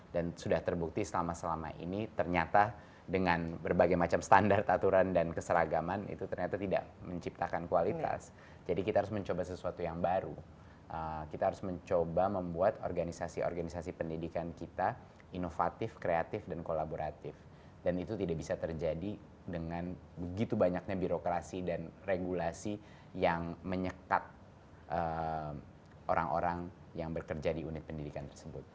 dan sudah terbukti selama selama ini ternyata dengan berbagai macam standar aturan dan keseragaman itu ternyata tidak menciptakan kualitas jadi kita harus mencoba sesuatu yang baru kita harus mencoba membuat organisasi organisasi pendidikan kita inovatif kreatif dan kolaboratif dan itu tidak bisa terjadi dengan begitu banyaknya birokrasi dan regulasi yang menyekat orang orang yang bekerja di unit pendidikan tersebut